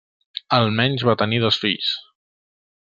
Almenys va tenir dos fills.